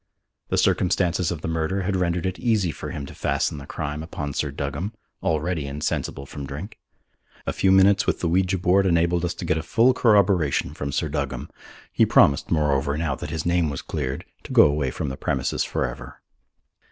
The circumstances of the murder had rendered it easy for him to fasten the crime upon Sir Duggam, already insensible from drink. A few minutes with the ouija board enabled us to get a full corroboration from Sir Duggam. He promised, moreover, now that his name was cleared, to go away from the premises for ever.